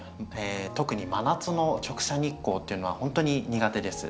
特に真夏の直射日光っていうのはほんとに苦手です。